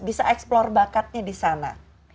bisa eksplor bakatnya di sana